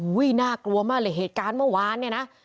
น่ากลัวมากเลยเหตุการณ์เมื่อวานเนี่ยนะ